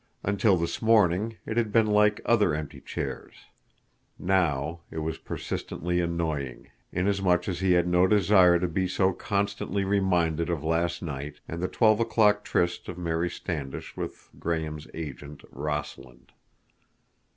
Until this morning it had been like other empty chairs. Now it was persistently annoying, inasmuch as he had no desire to be so constantly reminded of last night, and the twelve o'clock tryst of Mary Standish with Graham's agent, Rossland.